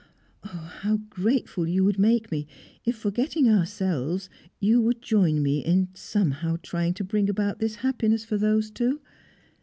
Ah! how grateful you would make me, if, forgetting ourselves, you would join me in somehow trying to bring about this happiness for those two!